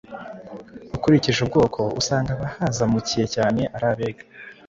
Ukurikije ubwoko usanga abahazamukiye cyane ari Abega,